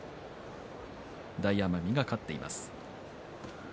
大奄美が勝っています。